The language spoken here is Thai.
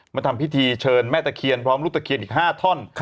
มาทำพิธีเชิญแม่ตะเคียนพร้อมลูกตะเคียนอีก๕ท่อน